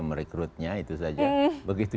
merekrutnya itu saja begitu